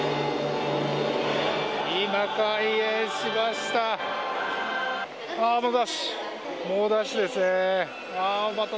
今、開園しました。